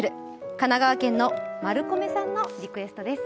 神奈川県のマルコメさんのリクエストです。